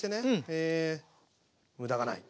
へえ無駄がない。